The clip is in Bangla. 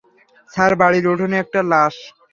স্যার, বাড়ির উঠোনে একটা লাশ!